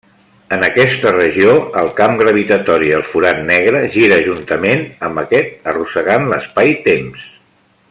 En aquesta regió, el camp gravitatori del forat negre gira juntament amb aquest arrossegant l'espai-temps.